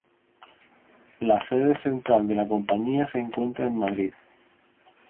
La sede central de la compañía se encuentra en Madrid.